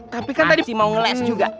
tapi kan tadi mau ngeles juga